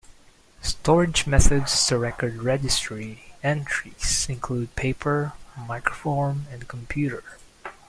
Storage methods to record registry entries include paper, microform, and computer.